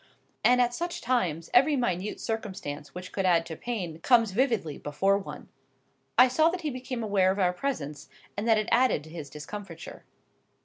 And at such times every minute circumstance which could add to pain comes vividly before one. I saw that he became aware of our presence, and that it added to his discomfiture.